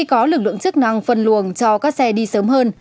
có lực lượng chức năng phân luồng cho các xe đi sớm hơn